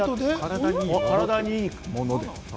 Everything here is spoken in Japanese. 体にいいもの？